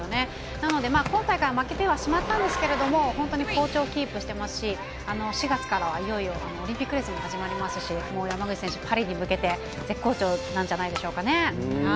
なので、今回は負けてはしまったんですけれども、本当に好調をキープしてますし、４月からはいよいよオリンピックレースも始まりますし、もう山口選手、パリに向けて絶好調なんじゃないですかね。